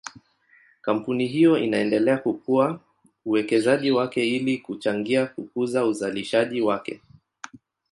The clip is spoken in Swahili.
Kampuni hiyo inaendelea kukuza uwekezaji wake ili kuchangia kukuza uzalishaji wake.